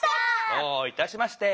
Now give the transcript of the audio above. どういたしまして！